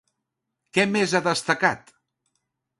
Què més ha destacat?